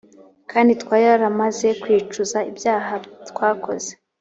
kandi twaramaze kwicuza ibyaha twakoze